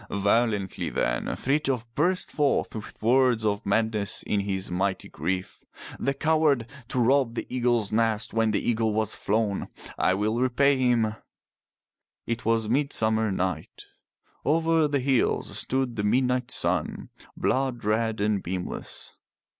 '' Violently then Frithjof burst forth with words of madness in his mighty grief. The coward! To rob the eagle's nest when the eagle was flown! I will repay him!" 349 MY BOOK HOUSE It was Midsummer Night. Over the hills stood the midnight sun, blood red and beamless.